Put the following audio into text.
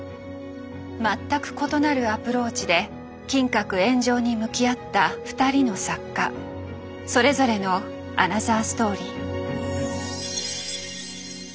全く異なるアプローチで金閣炎上に向き合った２人の作家それぞれのアナザーストーリー。